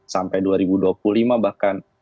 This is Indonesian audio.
sampai dua ribu dua puluh lima bahkan